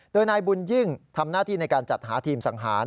โดยนายบุญยิ่งทำหน้าที่ในการจัดหาทีมสังหาร